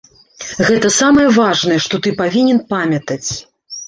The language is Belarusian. Гэта самае важнае, што ты павінен памятаць.